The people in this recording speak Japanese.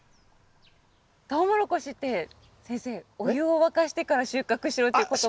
トウモロコシって先生お湯を沸かしてから収穫しろっていう言葉。